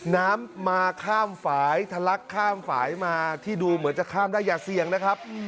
น้ำมาข้ามฝ่ายทะลักข้ามฝ่ายมาที่ดูเหมือนจะข้ามได้อย่าเสี่ยงนะครับ